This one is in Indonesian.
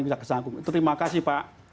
kejaksaan agung terima kasih pak